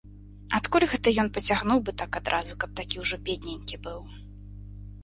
Адкуль гэта ён пацягнуў бы так адразу, каб такі ўжо бедненькі быў.